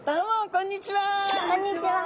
こんにちは！